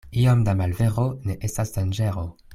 Iom da malvero ne estas danĝero.